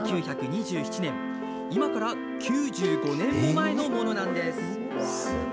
１９２７年、今から９５年も前のものなんです。